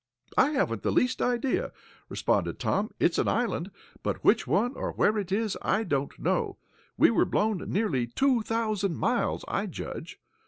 "I haven't the least idea," responded Tom. "It's an island, but which one, or where it is I don't know. We were blown nearly two thousand miles, I judge."